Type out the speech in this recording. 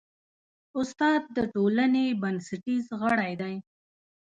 استاد د ټولنې بنسټیز غړی دی.